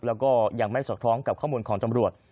แล้วก็ยังไม่สอดคล้องกับข้อมูลของตำรวจ